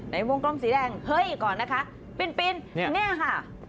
ในวงกลมสีแดงเฮ้ยก่อนนะคะปินเนี่ยค่ะ